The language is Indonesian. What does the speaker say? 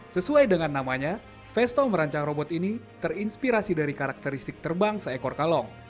sesuai dengan namanya vesto merancang robot ini terinspirasi dari karakteristik terbang seekor kalong